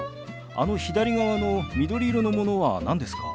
あの左側の緑色のものは何ですか？